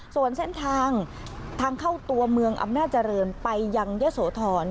ส่วนเส้นทางทางเข้าตัวเมืองอำนาจเจริญไปยังยะโสธร